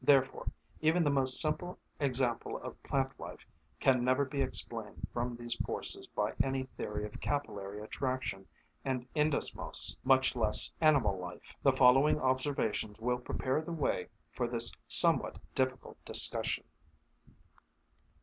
Therefore even the most simple example of plant life can never be explained from these forces by any theory of capillary attraction and endosmose, much less animal life. The following observations will prepare the way for this somewhat difficult discussion.